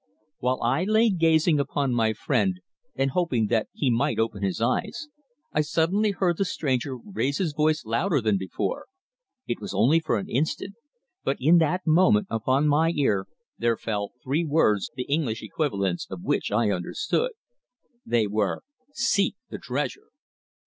While I lay gazing upon my friend and hoping that he might open his eyes, I suddenly heard the stranger raise his voice louder than before. It was only for an instant, but in that moment upon my ear there fell three words the English equivalents of which I understood. They were "Seek the treasure!"